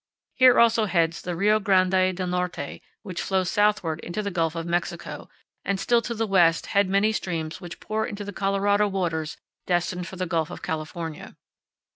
Here also heads the Rio Grande del Norte, which flows southward into the Gulf of Mexico, and still to the west head many streams which pour into the Colorado waters destined for the Gulf of California.